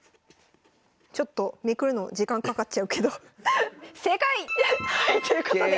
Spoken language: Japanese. ちょっとめくるの時間かかっちゃうけど正解！ということで。